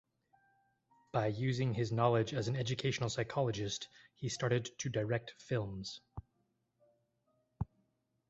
By using his knowledge as an educational psychologist he started to direct films.